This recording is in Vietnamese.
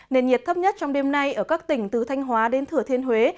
nền nhiệt thấp nhất trong đêm nay ở các tỉnh từ thanh hóa đến thừa thiên huế